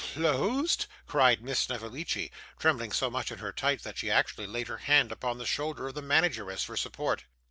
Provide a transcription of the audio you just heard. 'Closed!' cried Miss Snevellicci, trembling so much in her tights that she actually laid her hand upon the shoulder of the manageress for support.